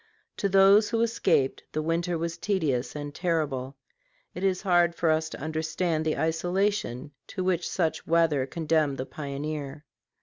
To those who escaped, the winter was tedious and terrible. It is hard for us to understand the isolation to which such weather condemned the pioneer.